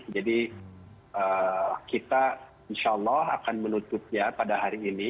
jadi kita insya allah akan menutupnya pada hari ini